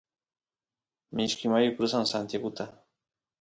mishki mayu crusan santiaguta